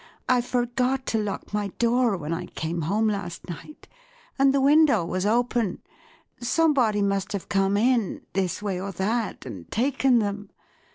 I forgot to lock my door when I came home last night, and the window was open; some¬ body must have come in, this way or that, and taken them.